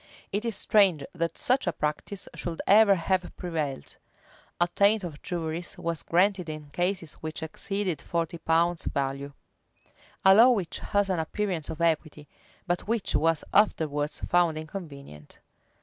[v] It is strange that such a practice should ever have prevailed. Attaint of juries was granted in cases which exceeded forty pounds' value; [v*] a law which has an appearance of equity, but which was afterwards found inconvenient.